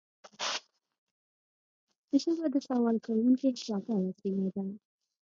ژبه د سوال کوونکي خوږه وسيله ده